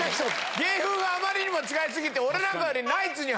芸風があまりにも違い過ぎて俺なんかより。